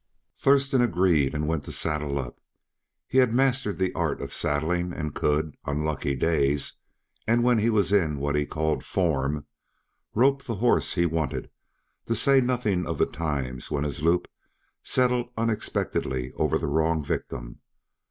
Thurston agreed and went to saddle up. He had mastered the art of saddling and could, on lucky days and when he was in what he called "form," rope the horse he wanted; to say nothing of the times when his loop settled unexpectedly over the wrong victim.